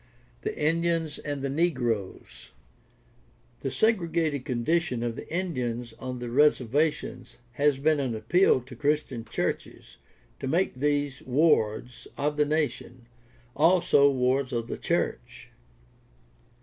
The Indians and the negroes. — ^The segregated condition of the Indians on the reservations has been an appeal to Chris tian churches to make these "wards of the nation" also wards of the church.